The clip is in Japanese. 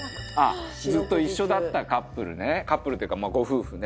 あっずっと一緒だったカップルねカップルというかご夫婦ね。